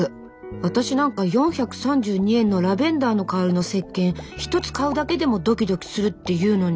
私なんか４３２円のラベンダーの香りのせっけん一つ買うだけでもドキドキするっていうのに。